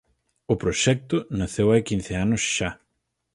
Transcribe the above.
O proxecto naceu hai quince anos xa.